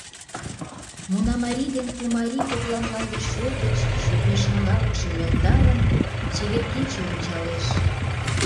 Мунамарий ден Пумарий кокла мланде шӧр гыч, шӧртньӧ шыҥалыкшым нӧлталын, чевер кече ончалеш.